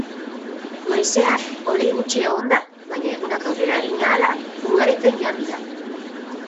Goizean hodei gutxi egongo da baina egunak aurrera egin ahala ugaritzen joango dira.